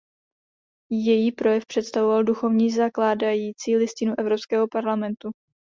Její projev představoval duchovní zakládající listinu Evropského parlamentu.